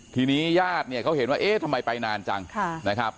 ทีนี้ญาติเนี่ยเขาเห็นว่าเอ๊ะทำไมไปนานจังนะครับ